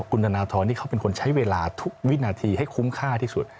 คุณธนทรนี่เขาเป็นคนใช้เวลาทุกวินาทีให้คุ้มค่าที่สุด